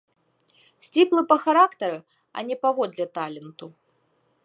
Сціплы па характары, а не паводле таленту.